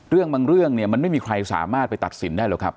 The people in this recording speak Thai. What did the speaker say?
เรื่องบางเรื่องเนี่ยมันไม่มีใครสามารถไปตัดสินได้หรอกครับ